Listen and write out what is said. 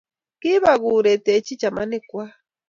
Kibak korutechi chamanik kwak.